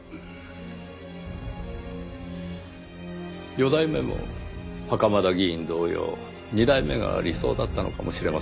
４代目も袴田議員同様２代目が理想だったのかもしれませんねぇ。